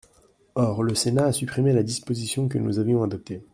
Or le Sénat a supprimé la disposition que nous avions adoptée.